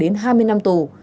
hai mươi năm tù